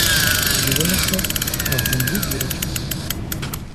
Дивимося, а в землі дірочка.